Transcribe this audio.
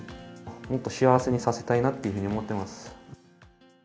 もっと幸せにさせたいなというふうに思ってます。